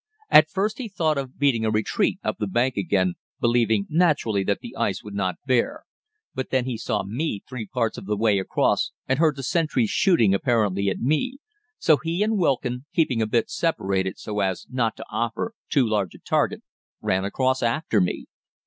At first he thought of beating a retreat up the bank again, believing naturally that the ice would not bear, but then he saw me three parts of the way across and heard the sentries shooting apparently at me, so he and Wilkin, keeping a bit separated so as not to offer too large a target, ran across after me.